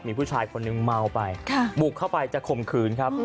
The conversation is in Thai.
มีผู้ชายคนนึงเมาไปบุกเข้าไปจะข่มขืนครับ